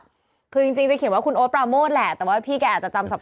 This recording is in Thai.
คือจริงจะเขียนว่าคุณโอ๊ตปราโมทแหละแต่ว่าพี่แกอาจจะจำสับ